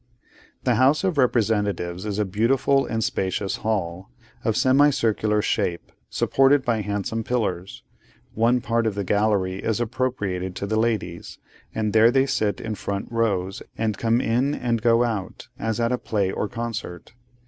The House of Representatives is a beautiful and spacious hall, of semicircular shape, supported by handsome pillars. One part of the gallery is appropriated to the ladies, and there they sit in front rows, and come in, and go out, as at a play or concert.